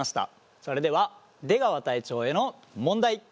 それでは出川隊長への問題。